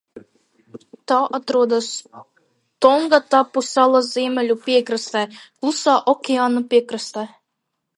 Tā atrodas Tongatapu salas ziemeļu piekrastē, Klusā okeāna piekrastē.